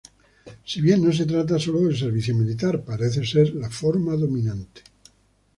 Si bien no se trata sólo del servicio militar, parece ser la forma dominante.